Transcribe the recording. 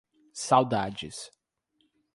Saudades